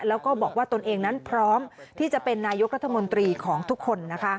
แล้วก็บอกว่าตนเองนั้นพร้อมที่จะเป็นนายกรัฐมนตรีของทุกคน